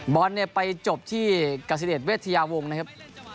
บอลเนี่ยไปจบที่กระสิทธิ์เวทยาวงนะครับ